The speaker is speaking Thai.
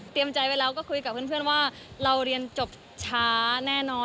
ใจไว้แล้วก็คุยกับเพื่อนว่าเราเรียนจบช้าแน่นอน